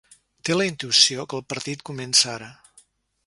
Té la intuïció que el partit comença ara.